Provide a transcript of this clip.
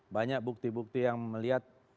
banyak bukti bukti yang melihat